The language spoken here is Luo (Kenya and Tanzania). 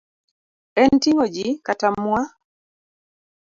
En ting'o ji kata mwa